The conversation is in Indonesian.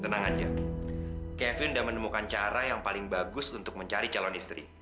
tenang aja kevin sudah menemukan cara yang paling bagus untuk mencari calon istri